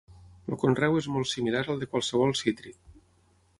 El conreu és molt similar al de qualsevol cítric.